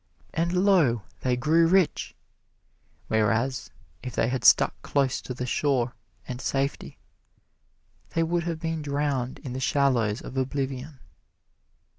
And lo! they grew rich; whereas, if they had stuck close to the shore and safety, they would have been drowned in the shallows of oblivion.